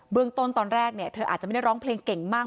เรื่องต้นตอนแรกเนี่ยเธออาจจะไม่ได้ร้องเพลงเก่งมาก